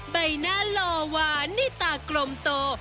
ใบหน้าหล่อหวานในตากลมโต